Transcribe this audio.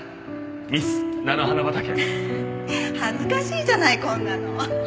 恥ずかしいじゃないこんなの。